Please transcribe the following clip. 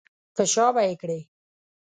په شا به یې کړې.